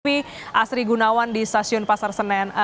asri gunawan di stasiun pasar senen